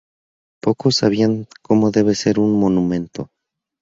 Pocos sabían cómo debe ser un monumento.